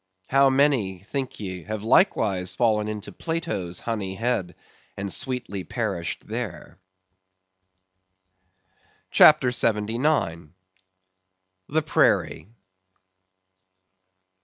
How many, think ye, have likewise fallen into Plato's honey head, and sweetly perished there? CHAPTER 79. The Prairie.